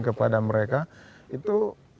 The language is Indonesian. kepada mereka itu